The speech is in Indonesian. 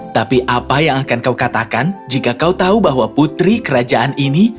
tapi apa yang akan kau katakan jika kau tahu bahwa putri kerajaan ini